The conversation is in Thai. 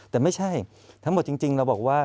แต่ไม่ใช่ทั้งหมดจริงเราบอกว่า